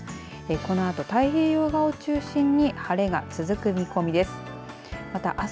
このあと、太平洋側を中心に晴れが続く見込みです。